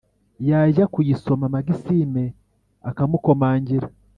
yajya kuyisoma maxime akamukomangira,